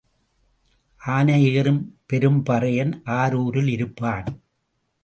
ஆனை ஏறும் பெரும்பறையன் ஆரூரில் இருப்பான்.